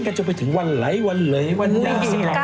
เขาเล่นกันถึงวันไหลไป